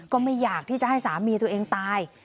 ก็ไม่อยากที่จะให้สามีตัวเองตาย